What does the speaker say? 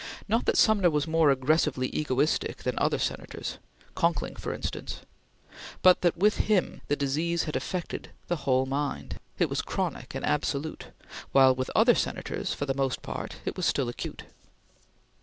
Not that Sumner was more aggressively egoistic than other Senators Conkling, for instance but that with him the disease had affected the whole mind; it was chronic and absolute; while, with other Senators for the most part, it was still acute.